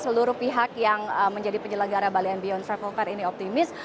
seluruh pihak yang menjadi penyelenggara bali and beyond travel fair ini optimis